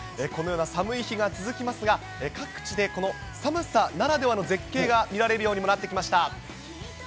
このような寒い日が続きますが、各地でこの寒さならではの絶景が見られるようにもなってきました。